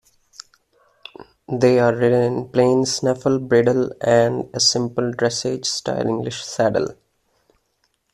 They are ridden in a plain snaffle bridle and a simple dressage-style English saddle.